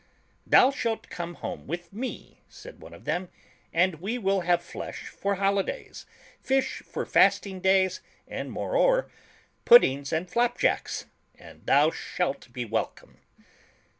"Thou shalt come home with me," said one of them, "and we will have flesh for holidays, fish for fasting days, and moreover, pud dings and flapjacks, and thou shalt be welcome.''